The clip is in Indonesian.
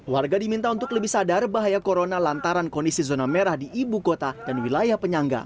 warga diminta untuk lebih sadar bahaya corona lantaran kondisi zona merah di ibu kota dan wilayah penyangga